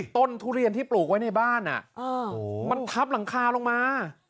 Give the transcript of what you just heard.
ทุเรียนที่ปลูกไว้ในบ้านมันทับหลังคาลงมา